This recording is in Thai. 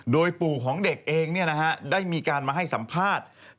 โดยปู่ของเด็กเองได้มีการมาให้สัมภาษณ์